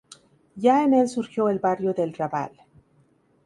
Ya en el surgió el barrio del Raval.